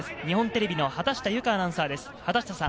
日本テレビの畑下由佳アナウンサーです。